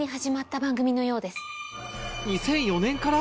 ２００４年から？